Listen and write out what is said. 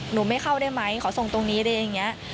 หนูไม่เข้าได้ไหมขอส่งตรงนี้ได้